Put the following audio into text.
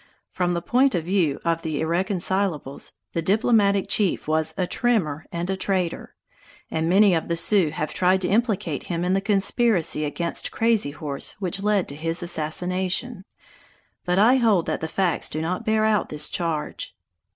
From the point of view of the irreconcilables, the diplomatic chief was a "trimmer" and a traitor; and many of the Sioux have tried to implicate him in the conspiracy against Crazy Horse which led to his assassination, but I hold that the facts do not bear out this charge.